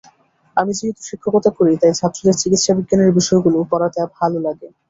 আমি যেহেতু শিক্ষকতা করি, তাই ছাত্রদের চিকিৎসাবিজ্ঞানের বিষয়গুলো পড়াতে ভালো লাগে।